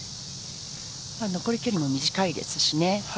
残り距離も短いですしね。